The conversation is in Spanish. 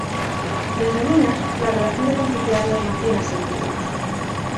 Desde niños, la relación de complicidad los mantiene siempre unidos.